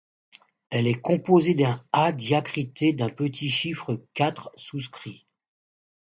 Elle est composée d’un ḥā diacrité d’un petit chiffre quatre souscrit.